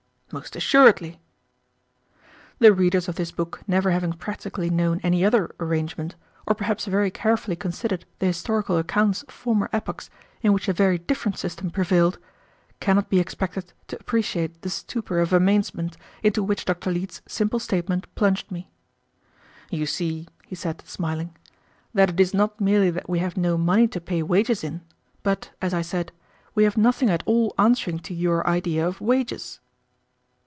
"Most assuredly." The readers of this book never having practically known any other arrangement, or perhaps very carefully considered the historical accounts of former epochs in which a very different system prevailed, cannot be expected to appreciate the stupor of amazement into which Dr. Leete's simple statement plunged me. "You see," he said, smiling, "that it is not merely that we have no money to pay wages in, but, as I said, we have nothing at all answering to your idea of wages."